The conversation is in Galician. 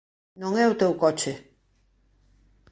Non é o teu coche!